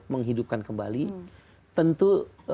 menghidupkan kembali tentu